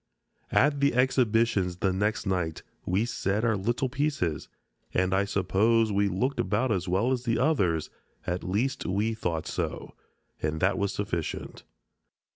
At the exhibitions the next night we said our little pieces, and I suppose we looked about as well as the others; at least we thought so, and that was sufficient.